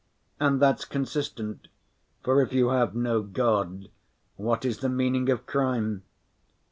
And that's consistent, for if you have no God what is the meaning of crime?